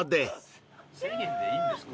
１，０００円でいいんですか？